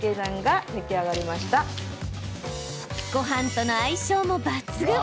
ごはんとの相性も抜群。